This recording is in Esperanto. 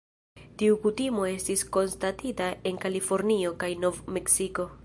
Tiu kutimo estis konstatita en Kalifornio kaj Nov-Meksiko.